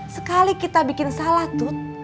sekali kita bikin salah tut